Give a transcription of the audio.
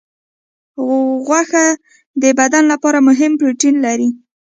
غوښه د بدن لپاره مهم پروټین لري.